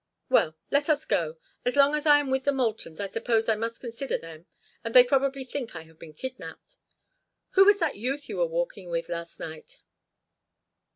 Well, let us go. As long as I am with the Moultons I suppose I must consider them, and they probably think I have been kidnapped. Who was that youth you were walking with last night?"